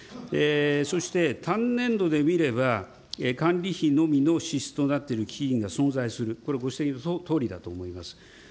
そして単年度で見れば、管理費のみの支出となっている基金が存在する、これご指摘のとおりだと思います。